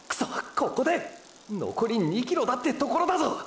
ここで⁉のこり２ｋｍだってところだぞ！！